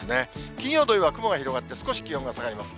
金曜、土曜は雲が広がって、少し気温が下がります。